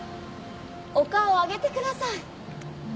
お顔を上げてください。